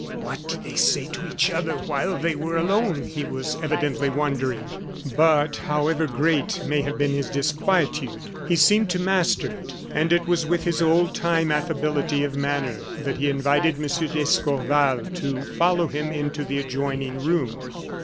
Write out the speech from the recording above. "What did they say to each other while they were alone?" he was evidently wondering. But, however great may have been his disquietude, he seemed to master it; and it was with his old time affability of manner that he invited M. d'Escorval to follow him into the adjoining room.